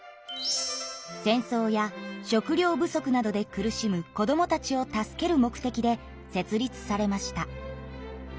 戦争や食料不足などで苦しむ子どもたちを助ける目的で設立されました。